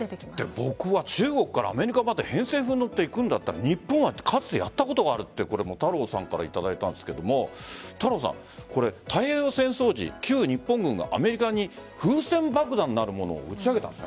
僕は中国からアメリカまで偏西風に乗っていくんだったら日本はかつてやったことがあるって太郎さんからいただいたんですが太平洋戦争時旧日本軍がアメリカに風船爆弾なるものを打ち上げたんですね。